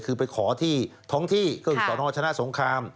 คือไปขอที่ท้องที่ก็คือสนชนะสงคราม